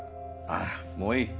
ああもういい。